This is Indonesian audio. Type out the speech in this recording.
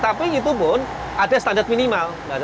tapi itu pun ada standar minimal